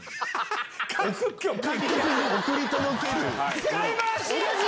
送り届ける。